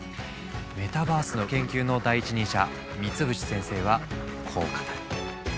メタバースの研究の第一人者三淵先生はこう語る。